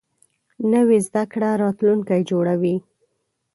نوې زده کړه راتلونکی جوړوي